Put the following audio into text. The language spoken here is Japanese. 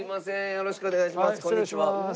よろしくお願いします。